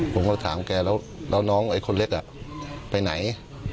ผมก็ถามแกแล้วน้องไอ้คนเล็กไปไหน